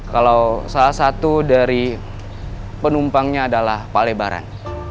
kalau salah satu dari penumpangnya adalah pak lebaran